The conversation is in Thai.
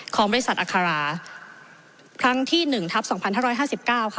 ของบริษัทอัคราครั้งที่๑ทัพ๒๕๕๙ค่ะ